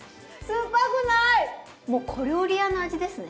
もう小料理屋の味ですね。